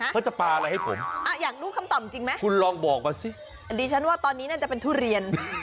เขาจะปลาอะไรให้ผมคุณลองบอกก่อนสิอันนี้ฉันว่าตอนนี้น่าจะเป็นทุเรียน